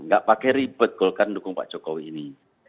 nggak pakai ribet golkar mendukung pak jokowi ini